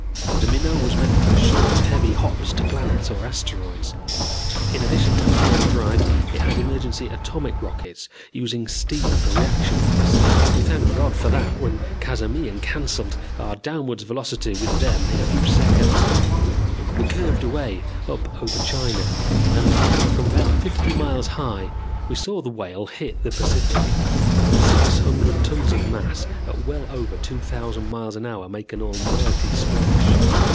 The Minnow was meant for short heavy hops to planets or asteroids. In addition to the ion drive it had emergency atomic rockets, using steam for reaction mass. We thanked God for that when Cazamian canceled our downwards velocity with them in a few seconds. We curved away up over China and from about fifty miles high we saw the Whale hit the Pacific. Six hundred tons of mass at well over two thousand miles an hour make an almighty splash.